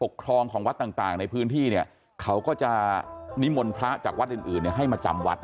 อกฑร์มของวัดต่างในพื้นที่เนี้ยเขาก็จะนิมลพระจากวัดอื่นนี้ให้มาจำวัดให้